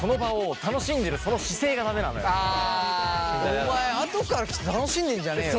お前後から来て楽しんでんじゃねよ！